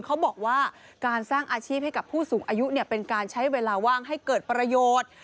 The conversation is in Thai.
เขาบอกว่าการสร้างอาชีพให้กับผู้สูงอายุเป็นการใช้เวลาว่างให้เกิดประโยชน์